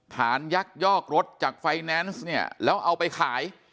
ยักยอกรถจากไฟแนนซ์เนี่ยแล้วเอาไปขาย